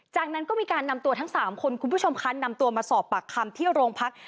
จากนั้นก็มีการนำตัวทั้ง๓คนคุณผู้ชมคะนำตัวมาสอบปากคำที่โรงพัก